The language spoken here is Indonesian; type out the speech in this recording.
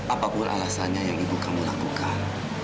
apapun alasannya yang ibu kamu lakukan